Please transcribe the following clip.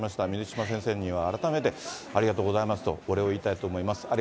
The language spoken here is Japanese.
水島先生には、改めてありがとうございますと、お礼を言いたいと思います。